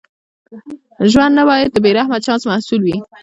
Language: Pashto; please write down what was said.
ژوند نه باید د بې رحمه چانس محصول وي.